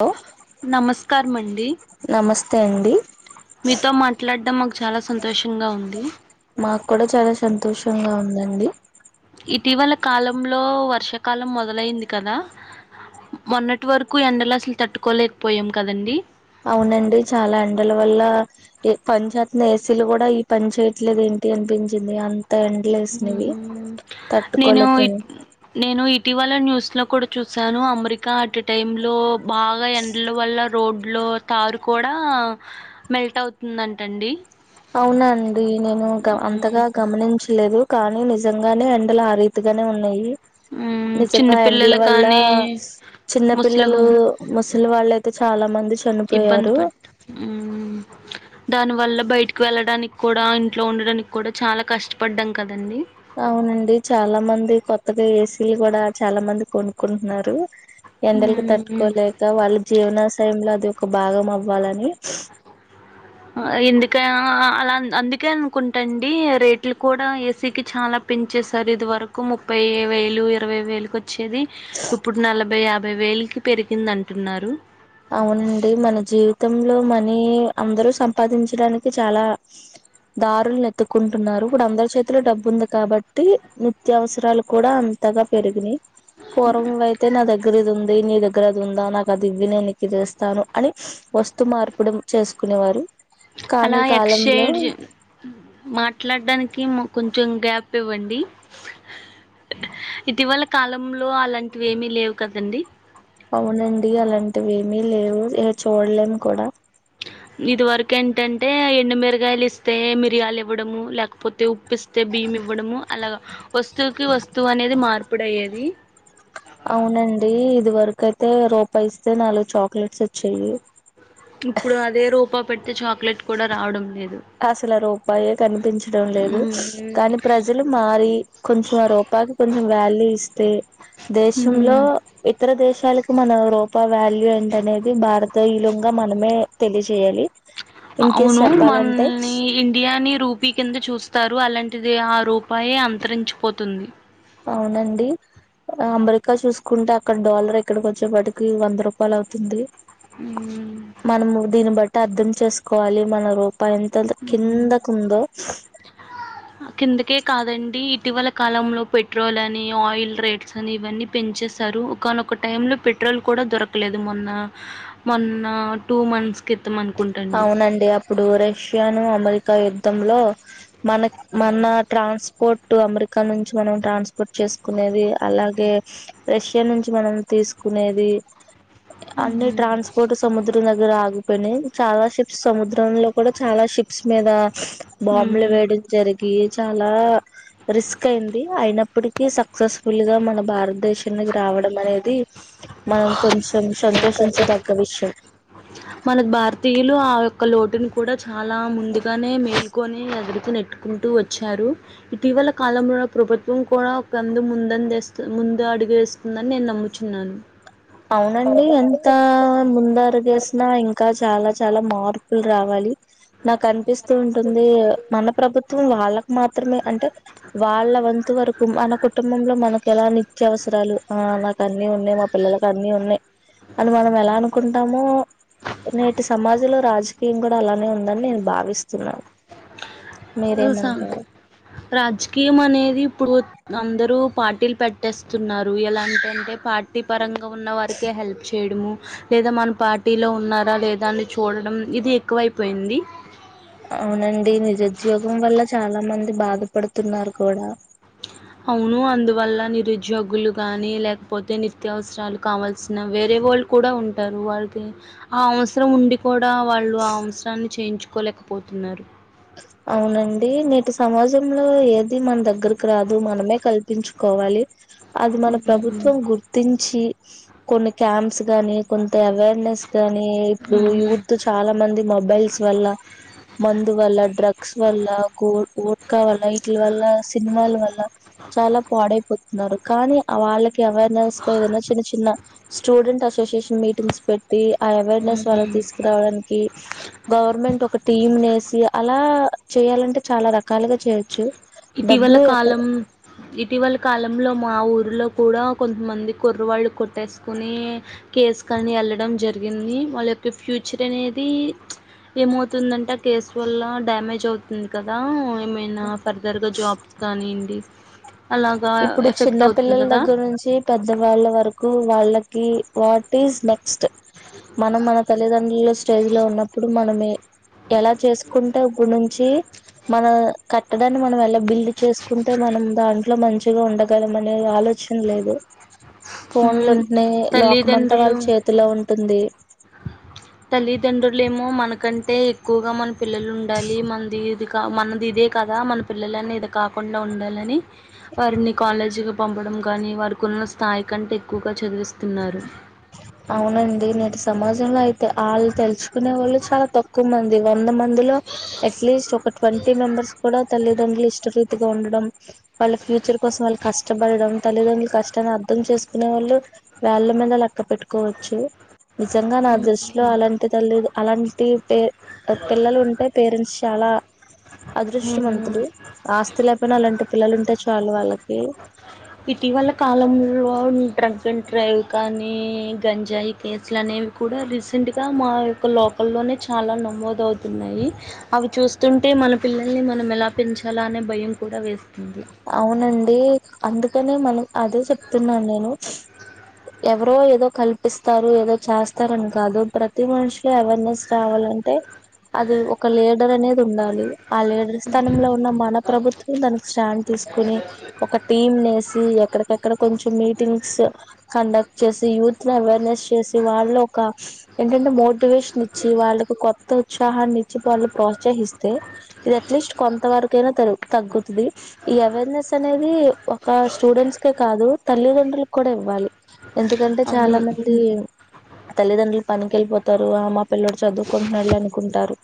Hello నమస్కార్మ్ అండి నమస్తే అండి మీతో మాట్లాడ్డం మాకు చాలా సంతోషంగా ఉంది మాక్కూడా చాలా సంతోషంగా ఉందండి ఇటీవలే కాలంలో వర్షాకాలం మొదలైంది కదా మొన్నటి వరకు ఎండలు అసలు తట్టుకోలేకపోయాం కదండి అవునండి చాలా ఎండల వల్ల ఏ పనిచేత్న ఏసీలు కూడా ఈ పని చేయట్లేదు ఏంటి అనిపించింది అంతా ఏం హ్మ్ నేను ఇ నేను ఇటీవల న్యూస్ లో కూడా చూసాను అమెరికా అట్ టైమ్ లో బాగా ఎండ్ల వల్ల రోడ్ లో తారు కూడా మెల్ట్ అవుతుందంటండి అవునా అండి నేను గ అంతగా మ్మ్. గమనించలేదు కానీ నిజంగానే ఎండలు ఆ రీతిగనే ఉన్నాయి మ్మ్. నిజంగా ఆ ఎండ్ల చిన్నపిల్లలు వల్ల కానీ చిన్న పిల్లలు ముసలి ముసలి వాళ్ళు అయితే చాలా మంది చనిపోయారు ఉమ్మ్ దానివల్ల బయటకి వెళ్ళడానికి కూడా ఇంట్లో ఉండడానికి కూడా చాలా కష్టపడ్డాం కదండి అవునండి చాలా మంది కొత్తగా ఏసీలు కూడా చాలా మంది కొనుకుంటున్నారు ఎండలకి మ్మ్ తట్టుకోలేక వాళ్ళ జీవనాశయంలో అది ఒక భాగం అవ్వాలని ఇందుకే ఆ ఆ అలా అందుకే అనుకుంటండి రేట్లు కూడా ఏసీకి చాలా పెంచేసారు ఇది వరకు ముప్పై ఎ వేలు ఇరవై వేలుకి వ చ్చేది ఇప్పుడు నలభై యాభై వేలుకి పెరిగింది అంటున్నారు అవునండి మన జీవితంలో మనీ అందరూ సంపాదించడానికి చాలా దారులు ఎతుక్కుంటున్నారు ఇప్పుడు అందరి చేతిలో డబ్బు ఉంది కాబట్టి ని త్యవసరాలు కూడా అంతగా పెరిగినయ్ పూర్వం అయితే నా దగ్గరది ఉంది నీ దగ్గరది ఉందా నాకు అది ఇవ్వు నేను ఇది ఇస్తాను అని వస్తు మార్పిడి చేసుకునే వారు కానీ ఈ కాలంలో మాట్లాడ్డానికి మ్ కొంచెం గ్యాప్ ఇవ్వండి ఇటీవలె కాలంలో అలాంటివి ఏమీ లేవు కదండి అవునండి అలాంటివి ఏమీ లేవు ఏ చూడలేం కూడా ఇది వరకు ఏంటంటే ఎండుమిరగాయలు ఇస్తే మిరియాలు ఇవ్వడము లేకపోతే ఉ ప్పిస్తే భీమివ్వడము అలాగ వస్తువుకి వస్తువు అనేది మార్పిడయ్యేది అవునండి ఇది వరకు అయితే రూపాయిస్తే నాలుగు చాక్లెట్స్ వచ్చాయి ఇప్పుడు అదే రూపాయ్ పెట్టె చాక్లెట్ కూడా రావడం లేదు అసలు రూపాయే కనిపించడం లేదు మ్మ్. కానీ ప్రజలు మారి కొంచెం ఆ రూపాయికి కొంచెం వాల్యూ ఇస్తే దేశంలో మ్మ్. ఇతర దేశాలకు మన రూపా వాల్యూ ఏంటనేది భారతయులుంగా మనమే తెలిజేయాలి అవును మనని ఇండియాని రూపీ కింద చూస్తారు అలాంటిది ఆ రూపాయి అంతరించిపోతుంది అవునండి అమెరికా చూసుకుంటే అక్కడ డాలర్ ఎక్కడికి వచ్చేప్పటికి వంద రూపాయలు అవుతుంది హ మనము దీన్ని బట్టి అర్ధం చేసుకోవాలి మన రూపా ఎంత కిందకు ఉందో ఆ కిందకే కాదండి ఇటీవల కాలంలో పెట్రోలని ఆయిల్ రేట్స్ అని ఇవన్నీ పెంచేసారు ఒకానొక టైమ్ లో పెట్రోల్ కూడ దొరకలేదు మొన్న మొన్నా టూ మంత్స్ కర్తమనకు అవునండి అప్పుడు రష్యాను అమెరికా యుద్ధంలో మన మన ట్రాన్స్పోర్ట్ అమెరికా నుంచి మనం ట్రాన్స్పోర్ట్ చేసుకునేది అలాగే రష్యా నుంచి మనం తీసుకునేది అన్ని ట్రాన్స్పోర్ట్ సముద్ర నగర ఆగిపోని చాలా షిప్స్ సముద్రంలో కూడా చాలా షిప్స్ మీద బాంబులు మ్మ్ వేడి జరిగి చాలా రిస్క్ అయింది అయినప్పటికీ సక్సెస్ఫుల్ గా మన భారతదేశానికి రావడం అనేది మనం కొంచెం సంతోషించదగ్గ విషయం మనకు భారతీయులు ఆ యొక్క లోటుని కూడా చాలా ముందుకు కానే మేలుకొని ఎదురుకు నెట్టుకుంటూ వచ్చారు ఇటీవల కాలంలో ప్రభుత్వం కూడా ఒకంది ముందందస్తు ముందు అడిగేస్ ఉందని నేను నమ్ముచున్నాను అవునండి ఎంత ముందడు గేసినా ఇంకా చాలా చాలా మార్ లు రావాలి నాకు అనిపిస్తూ ఉంటుంది మన ప్రభుత్వం వాళ్ళకు మాత్రమే అంటే వాళ్ళ వంతు వరకు మన కుటుంబంలో మనకు ఎలా నిత్య అవసరాలు ఆ నాకు అన్నీ ఉన్నాయి మా పిల్లలకు ఇ అన్నీ ఉన్నాయి అది మనం ఎలా అనుకుంటామో నేటి సమాజంలో రాజకీయం కూడా అలానే ఉందని నేను భావిస్తున్నాను అసం మీరేమంటారు రాజకీయం అనేది ఇప్పుడు అందరు పార్టీలు పెట్టేస్తున్నారు ఎలాంటింటే పార్టీ పరంగా ఉన్న వారికి కేే హెల్ప్ చేయడము లేద మన పార్టీలో ఉన్నారా లేదా అని చూడడం ఇది ఎక్కువైపోయింది అవునండి నిరుద్యోగం వల్ల చాలా మంది బాధపడుతున్నారు కూడా అవును అందువల్ల నిరుద్యోగులు గానీ లేకపోతే నిత్యావసరాలు కావాల్సిన వేరే వాళ్ళు కూడ ఉంటారు వాల్కి ఆ అవసరం ఉండి కూడా వాళ్ళు ఆ అవ్స్రన్ని చేయించుకోలేకపోతున్నారు అవునండి నేటి సమాజంలో ఏది మన దగ్గరకి రాదు మనమే కల్ గుర్తించుకోవాలి అది మన ఉమ్, ప్రభుత్వం గుర్తించి కొన్ని క్యాంప్స్ గానీ కొంత అవేర్నెస్ కానీ ఇప్పుడు ఉమ్. యూత్ చాలా మంది మొబైల్స్ వల్ల మన్ అందువల్ల డ్రగ్స్ వల్ల గో ోర్కా వల్ల విటిల వల్ల సినిమాల వల్ల చాలా పాడైపోతున్నారు కానీ వాళ్ళకి అవేర్నెస్ గా ఏదైనా చిన్న చిన్న స్టూడెంట్ అసోసియేషన్ మీటింగ్స్ పెట్ ట్టి ఆ అవేర్నెస్ వాల్ళక్ తీసుకురావడానికి గవర్నమెంట్ ఒక టీమ్ నెస్ అలా చేయ్యాలంటే చాలా రకాలుగా చేయ్యోచ్చు ఇటీవల కాలం ఇటీవలి కాలంలో మా ఊరిలో కూడా కొంతమంది కుర్ర వాళ్ళు కొట్టేసుకొని కేసు కాని వెళ్ళడం జరిగింది వాళ్ళ యొక్క ఫ్యూచర్ అనేది ఏమవుతుందంటే ఆ కేసు వల్ల డ్యామేజ్ అవుతుంది కదా ఏమ్ నా ఫర్దర్గా జాబ్స్ కానివ్వండి అలాగా ఇప్పుడు చిన్న ఎఫెక్ట్ అవుతుంది పిల్లల కదా దగ్గర నుంచి పెద్ద వాళ్ళ వరకు వాళ్ళకి వాట్ ఈజ్ నెక్స్ట్ మనం మన తల్లిదండ్రులు స్టేజ్ లో ఉన్నప్పుడు మనమే ఎలా చేసుకుంటే ఇప్పుడి నుంచి మన కట్టడాన్ని మనం ఎలా బిల్డ్ చేసుకుంటే మనం దాంట్లో మంచిగా ఉండగలం అనే ఆలో సరం లేదు ఫోన్లు ఉమ్, ఉంటేనే లోకం అంతా తల్లిదండ్రులు వాళ్ళ చేతిలో ఉంటుంది తల్లిదండ్రులేమో మనకంటే ఎక్కువగా మన పిల్లలు ఉండాలి మనది ఇది మనది ఇదే కదా మన పిల్లలనెది కాకుండా ఉండాలని వారిని కాలేజీకి పంపడం గానీ వారికున్న స్థాయి కంటే ఎక్కువగా చదివిస్తున్నారు అవునండి నేటి సమాజంలో అయితే వాళ్ళు తెలుసుకునే వాళ్ళు చాలా తక్కువ మంద్ ది వంద మంది లో ఎట్లీస్ట్ ఒక ట్వంటీ మెంబర్స్ కూడ తల్లిదండ్రులు హిస్టరీ ట్ గా ఉండడం వాళ్ళ ఫ్యూచర్ కోసం వాళ్ళు కష్టపడడం తల్లిదండ్రులు కష్టాన్ని అర్థం చేసుకునే వాళ్ళు వెళ్ళ మీద తో పెట్టుకోవచ్చు నిజంగా నా దృష్టిలో అలాంటి తల్లి అలాంటి పే పిల్లలు ఉంటే పేరెంట్స్ చాలా మ్మ్ అదృష్టవంతులు ఆస్తి లేకపోయినా అలాంటి పిల్లలు ఉంటే చాలు వాళ్ళకి ఇటీవల కాలంలో డ్రంక్ అండ్ డ్రైవ్ కానీ గంజాయి కేసులు అనేవి కూడా రీసెంట్గా మా యొక్క లోకల్లోనే చాలా నమోదవుతున్నాయి అవి చూస్తుంటే మన పిల్లల్ని మనం ఎలా పెంచాలా అనే భయం కూడా వేస్తుంది అవునండి అందుకనే మనం అదే చెప్తున్నాను నేను ఎవరో ఏదో కల్పిస్తారు ఏదో చేస్తారని కాదు ప్రతి మనిషికి అవేర్నెస్ రావాలన్ టే అది ఒక లీడర్ అనేది ఉండాలి ఆ లీడర్ స్థానంలో ఉన్న మన ప్రభుత్వం దానికి స్టాండ్ కొని ఒక టీమ్ నేసి ఎక్కడికక్కడ కొంచెం మీటింగ్ స్ కండక్ట్ చేసి యూత్ ని అవైర్నెస్ చేసి వారిలో ఒక ఏంటంటే మొ టివేషన్ ఇచ్చి వాళ్ళలకు కొత్త ఉత్సాహాన్ని ఇచ్చి వాళ్ళు ప్రోత్సహిస్తే ఇది అట్లీస్ట్ కొంత వరకైనా త తగ్గుతది ఈ అవేర్నెస్ అనేది ఒక స్టూడెంట్స్ కే కాదు తల్లిదండ్రులకు కూడా ఇవ్వాలి ఎందుకంటే చాలా అవును మంది తల్లిదండ్రులు పనికి వెళ్ళిపోతారు ఆ మా పిల్లాడు చదువుకుంటున్నాడులే అనుకుంటారు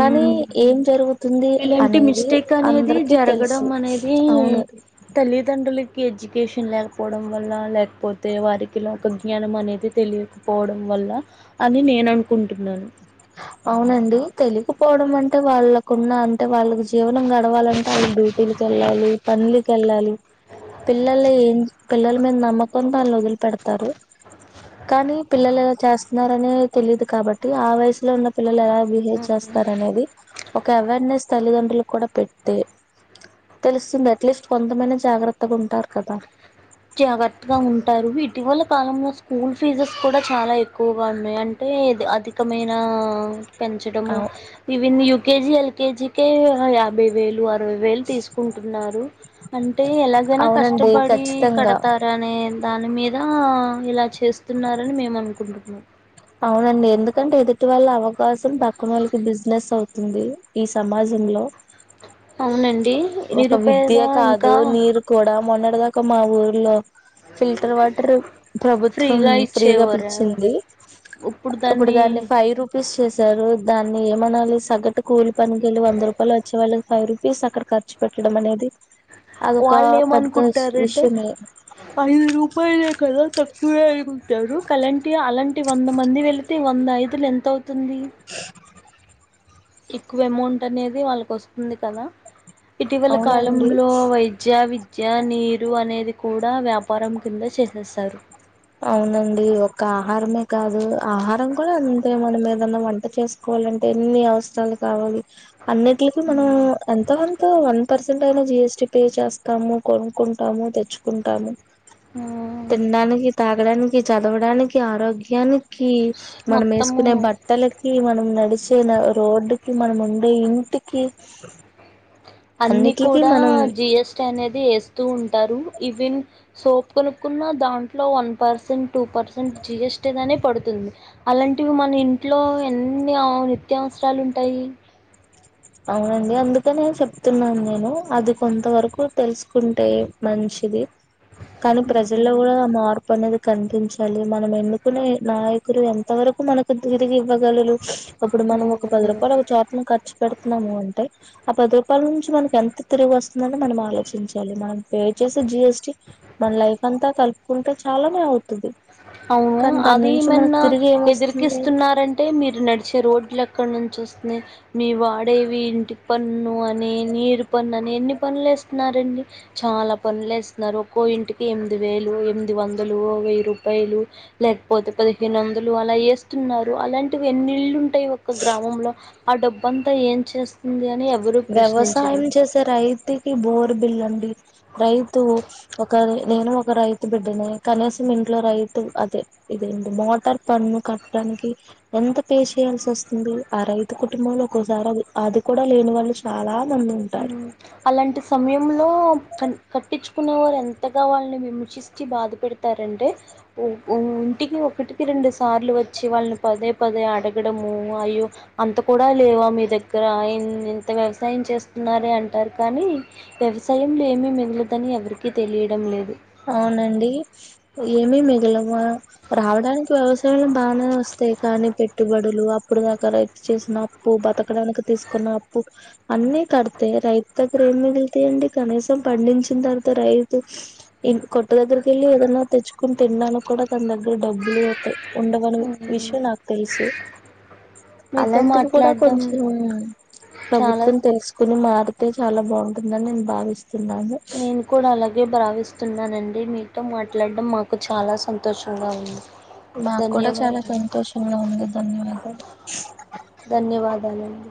కానీ ఏం జరుగుతుంది ఇలాంటి అనేది మిస్టేక్ అనేది అందరికి జరగడం తెలుసు అనేది అవును తల్లిదండ్రులకి ఎడ్యుకేషన్ లేకపోవడం వల్ల లేకపోతే వారికి లోక జ్ఞానం అనేది తెలియదు పోవడం వల్ల అని నేను అనుకుంటున్నాను అవునండి తెలికపోవడం అంటే వాళ్ళకున్న అంటే వాళ్ళకి జీవనం గడవాలంటే వాళ్ళ డ్యూటీలకి వెళ్ళాలి పనులు కెళ్ళాలి పిల్లలు పిల్లల మీద నమ్మకంతో వాళ్లు వదిలి పెడతారు కానీ పిల్లలు ఇలా చేస్తున్నారని తెలియదు కాబట్టి ఆ వయసు లో ఉన్న పిల్లలు ఎలా బిహేవ్ చేస్తారు అనేది ఒక అవేర్నెస్ తల్లిదండ్రులు కూడా పెడితే తెలుస్తుంది అట్లీస్ట్ కొంతమంది జాగ్రత్తగా ఉంటారు కదా జాగ్రత్తగా ఉంటారు ఇటీవల కాలంలో స్కూల్ ఫీజెస్ కూడా చాలా ఎక్కువగా ఉన్నాయి అ అంటే అది అధికమైన పెంచడము ఈవిన్ యుకేజి ఎల్కేజీ కే యాభై వేలు అరవై వేలు తీసుకుంటున్నారు అంటే ఎలాగైనా అవునండి కష్టపడి ఖచ్చితంగా అనే దాని మీద ఇలా చేస్తున్నారని మేము అనుకుంటున్నాం అవునండి ఎందుకంటే ఎదుటి వాళ్ళ అవకాశం పక్కన వాళ్ళకి బిజినెస్ అవుతుంది ఈ సమాజంలో అవునండి ఒక నిరుపేద విద్య కాదు ఇంకా నీరు కూడా మొన్నటి దాక మా ఊర్లో ఫిల్టర్ వాటర్ ప్రభుత్వం ఫ్రీగా ఫ్రీగా ఇచ్చేవారు పిచ్చింది అప్పుడు దాన్ని ఫైవ్ రుపీస్ ప్పస్ చేసారు దాన్ని ఏమనాలి సగటు కూలి పనికి వెళ్ళి వంద రూపాయలు వచ్చే వాళ్ళకి ఫైవ్ రూపీస్ ఫీజు అక్కడ ఖర్చు పెట్టడం అనేది అదొక వాళ్ళు పెద్ద ఏమనుకుంటారంటే విషయమే ఐదు రూపాయలే కదా తక్కువే అను కుంటారు కలాంటి అలాంటి వంద మంది వెలితే వెలితే వంద ఐదులు ఎంత అవుతుంది ఎక్కువ అమౌంట్ అనేది వాళ్ళకి వస్తుంది కదా ఇటీవల అవునండి కాలంలో వైద్య విద్య విద్య నీరు అనేది కూడా వ్యాపారం కింద చేసేసారు అవునండి ఒక్క ఆహారమే కాదు ఆహారం కూడా అంతే మనం ఏదన్నా వంట చేసుకోవాలంటే చేసుకోవాలంటే ఎన్ని అవసరాలు కావాలి అన్నిట్లికి మనం ఎంతో కొంత వన్ పర్సెంట్ అయిన జిఎస్టి పే చేస్తాము కొనుక్కుంటాము తెచ్చుకుంటాము తినడానికి తాగడానికి చదవడానికి ఆరోగ్యానికి మనం మొత్తము వేసుకునే బట్టలకి మనం నడిచే రోడ్డుకి మనం ఉండే ఇంటికి అన్ని అన్నిటికి కూడా మనం జిఎస్టి అనేది వేస్తూ ఉంటారు ఈవెన్ సోప్ కొనుక్కున్న దాంట్లో వన్ పర్సెంట్ టూ పర్సెంట్ జిఎస్టిదనే పడుతుంది అలాంటివి మన ఇంట్లో ఎన్ని నిత్య అవసరాలు ఉంటాయి అవునండి అందుకనే చెప్తున్నాను నేను అది కొంత వరకు తెలుసుకుంటే మంచిది కానీ ప్రజల్లో ఉమ్. కూడా మార్పు మార్పు అనేది కనిపించాలి మనం ఎన్నుకునే నాయకులు ఎంత వరకు మనకు తిరిగి ఇవ్వగలరు అప్పుడు మనం ఒక పది రూపాయలు ఒక చోటన పెడితే పెడుతున్నాము అంటే ఆ పది రూపాయల నుంచి మనకి ఎంత తిరిగి వస్తుందని మనం ఆలోచించాలి మనం పే చేసే జిఎస్టి మన లైఫ్ అంతా కలుపుకుంటే చాలానే అవుతది అవును అది ఏమన్నా ఏమొస్తుంది ఎదిరికిస్తున్నార అంటే మీరు నడిచే రోడ్లు ఎక్కడ నుంచి వస్తున్నాయి మీ వాడేవి ఇంటి పన్ను అని నీరు పన్ను అని ఎన్ని పన్నులు వేస్తున్నారండి చాలా పన్నులు వేస్తున్నారు ఒక్కో ఇంటికి ఎనిమిది వేలు ఎనిమిది వందలు వెయ్యి రూప్ పాయలు లేకపోతే పదిహేను వందలు అలా వేస్తున్నారు అలాంటివి ఎన్ని ఇళ్ళు ఉ టాయ్ ఒక గ్రామంలో ఆ డబ్బుంతా ఏం చేస్తుంది అని ఎవ్వరూ ప్రశ్నించరు వ్యవసాయం చేసే రైతుకి బోరు బిల్ అండి రైతు ఒక నేను ఒక రైత్ రైతు బిడ్డనే కనీసం ఇంట్లో రైతు అదే ఇదేంటి మోటార్ పన్ను కట్టడానికి ఎంత పే చేయాల్సి వస్తుంది ఆ రైతు కుటుంబంలో ఒక్కోసారి అది కూడా లేని వాళ్ళు చాలా మంది ఉంటారు హ్మ్. అలాంటి సమయంలో కన్ కట్టించుకునే వారు ఎంతగా వాళ్ళని హింసించి న్చి బాధపెడతారు అంటే ఉ ఉ ఇంటికి ఒకటికి రెండు సార్లు వచ్చి వాళ్ళని పదే పదే అడగడము అయ్యో అంత కూడా లేవా మీ దగ్గర ఇంత వ్యవసాయం చేస్తూ న్నారే అంటారు కానీ వ్యవసాయంలో ఏమీ మిగలదని ఎవరికీ తెలియడం లేదు అవునండి ఏమి మిగులవ రావడానికి వ్యవస్ బానే వస్తాయి కానీ పెట్టుబడు లు అప్పుడు దాకా రైతు చేసిన అప్పు బతకడానికి తీసుకున్న అప్పు అన్నీ కడితే రైతు దగ్గర ఏం మిగులుతాయిండి కనీసం పండించిన తర్వాత రైతు ఇన్ కొట్టు దగ్గరకి వెళ్ళి ఏదన్నా తెచ్చుకుని తిన్నాడానికి కూడా తన దగ్గర డబ్బులు లేవు ఉండవని హ్మ్. విషయం నాకు తెలుసు మీతో అలాంటిది కూడా మాట్లాడడం కొంచెం చాలా ప్రభుత్వం తెలుసుక్ కొని మారితే చాలా బాగుంటుందని నేను భావిస్తున్నాను నేను కూడా అలాగే బ్రావిస్తున్నండి మీతో మాట్లాడడం మాకు చాలా సంతోషంగా ఉంది మాకు కూడా చాలా ధన్యవాదాలు. సంతోషంగా ఉంది ధన్యవాదాలు ధన్యవాదాలు అండి